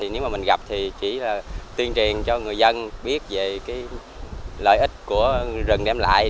nếu mà mình gặp thì chỉ là tuyên truyền cho người dân biết về cái lợi ích của rừng đem lại